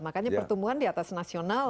makanya pertumbuhan di atas nasional